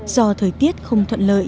do thời tiết không thuận lợi